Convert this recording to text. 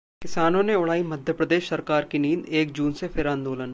किसानों ने उड़ाई मध्य प्रदेश सरकार की नींद, एक जून से फिर आंदोलन